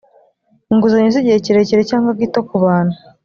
inguzanyo z igihe kirekire cyangwa gito ku bantu